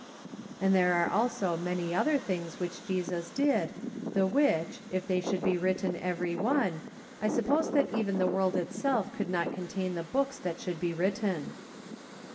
"And there are also many other things ichich Jesus did , the which, if they should be written every one , I suppose that even the world itself could not contain the books that should be written